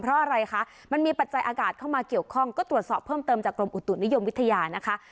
เพราะอะไรคะมันมีปัจจัยอากาศเข้ามาเกี่ยวข้องก็ตรวจสอบเพิ่มเติมจากกรมอุตุนิยมวิทยานะคะ